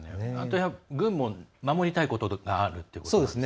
軍も守りたいことがあるということなんですね。